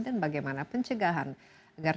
dan bagaimana pencegahan agar